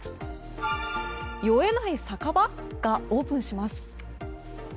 酔えない酒場がオープンします。